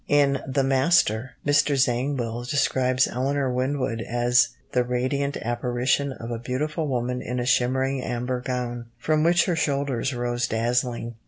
In The Master, Mr. Zangwill describes Eleanor Wyndwood as "the radiant apparition of a beautiful woman in a shimmering amber gown, from which her shoulders rose dazzling."